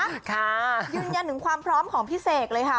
ค่ะยืนยันถึงความพร้อมของพี่เสกเลยค่ะ